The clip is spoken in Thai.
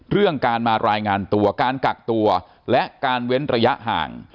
เรื่องการมารายงานตัวการกักตัวและการเว้นระยะห่าง